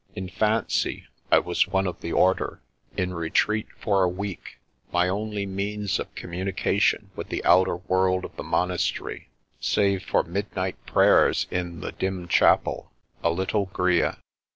In fancy I was one of the order, 342 The Princess Passes in retreat for a week, my only means of communi cation with the outer world of the monastery (save for midnight prayers in the dim chapel) a little grille.